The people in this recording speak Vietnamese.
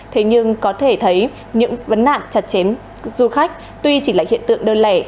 thế nhưng có thể thấy những vấn nạn chặt chém du khách tuy chỉ là hiện tượng đơn lẻ